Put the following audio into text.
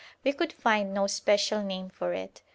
We could find no special name for it.